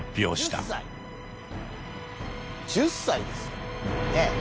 １０歳ですよねえ。